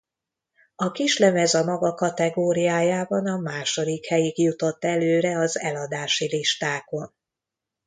A kislemez a maga kategóriájában a második helyig jutott előre az eladási listákon.